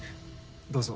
どうぞ。